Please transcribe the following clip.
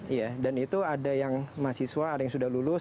iya dan itu ada yang mahasiswa ada yang sudah lulus